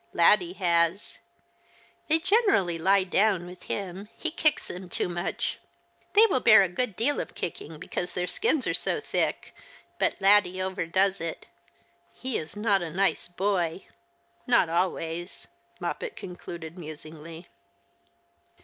Laddie has. They generally lie down with him. He kicks them too much. They will bear a good deal of kicking because their skins are so thick, but Laddie overdoes it. He is not a nice boy — not always," Moppet concluded musingly.